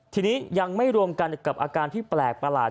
ทีนี้ยังไม่รวมกันกับอาการที่แปลกประหลาด